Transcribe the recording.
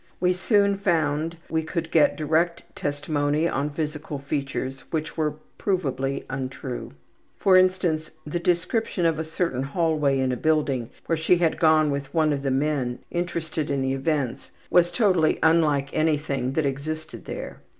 We soon found we could get direct testimony on physical features which were provably untrue. For instance, the description of a certain hallway in a building where she had gone with one of the men interested in the events was totally unlike anything that existed there.